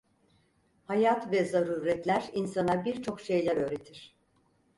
Hayat ve zaruretler insana birçok şeyler öğretir…